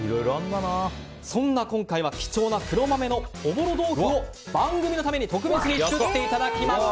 そんな今回は貴重な黒豆のおぼろ豆腐を番組のために特別に作っていただきました。